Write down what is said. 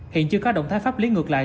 hiện chưa có động thái pháp lý ngược lại